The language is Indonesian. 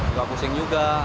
gak pusing juga